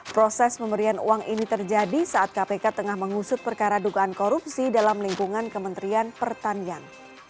proses pemberian uang ini terjadi saat kpk tengah mengusut perkara dugaan korupsi dalam lingkungan kementerian pertanian